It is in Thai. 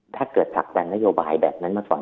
ถ้าเกิดผลักดันนโยบายแบบนั้นมาก่อน